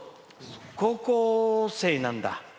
高校生なんだ。